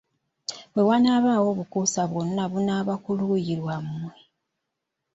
Bwe wanaabaawo obukuusa bwonna bunaaba ku luuyi lwammwe!